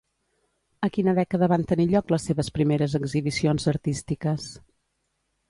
A quina dècada van tenir lloc les seves primeres exhibicions artístiques?